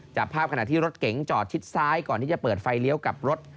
จับภาพขณะที่รถเก๋งจอดชิดซ้ายก่อนที่จะเปิดไฟเลี้ยวกลับรถ